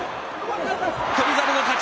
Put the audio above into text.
翔猿の勝ち。